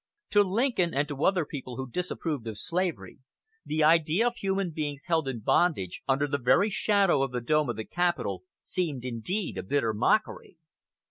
To Lincoln and to other people who disapproved of slavery, the idea of human beings held in bondage under the very shadow of the dome of the Capitol seemed indeed a bitter mockery.